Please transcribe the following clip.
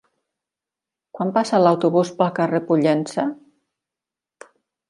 Quan passa l'autobús pel carrer Pollença?